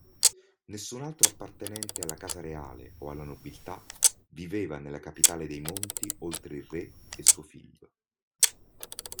Nessun altro appartenente alla casa reale o alla nobiltà viveva nella capitale dei monti oltre il re e suo figlio.